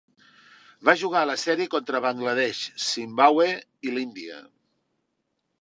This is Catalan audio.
Va jugar a la sèrie contra Bangladesh, Zimbabwe i l'Índia.